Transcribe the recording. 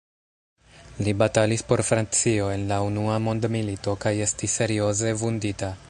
Li batalis por Francio en la Unua Mondmilito kaj estis serioze vundita.